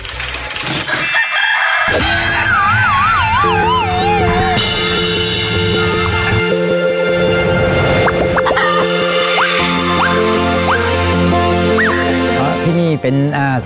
ที่นี่เป็นศูนย์เล่นรู้สถิกภาพเพียงบ้านสระพี